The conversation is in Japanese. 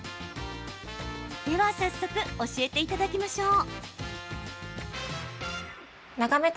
では早速教えていただきましょう。